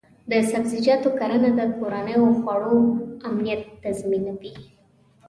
د سبزیجاتو کرنه د کورنیو د خوړو امنیت تضمینوي.